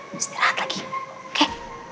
pasti rahat lagi oke